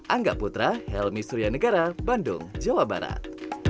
angga putra helmi suryanegara bandung jawa barat